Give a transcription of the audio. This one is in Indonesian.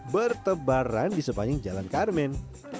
bertebaran di sepanjang jalan karmen